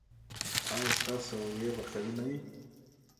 ایا ستاسو اوږې به قوي نه وي؟